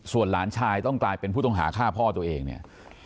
ส่วนหลานชายต้องกลายเป็นผู้ต้องหาฆ่าพ่อตัวเองเนี่ย